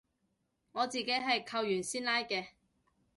我自己係扣完先拉嘅